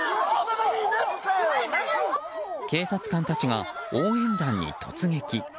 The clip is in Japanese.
警察官たちが応援団に突撃。